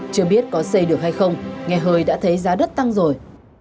chưa biết có xây được hay không nghe hơi đã thấy giá đất tăng rồi